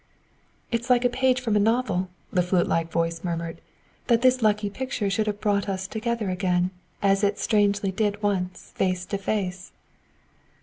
"It is like a page from a novel," the flute like voice murmured, "that this lucky picture should have brought us together again, as it strangely did once face to face."